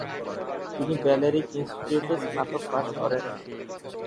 তিনি ব্যালেরিক ইনস্টিটিউটে স্নাতক পাস করেন।